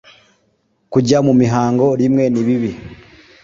kujya mumihango rimwe nibibi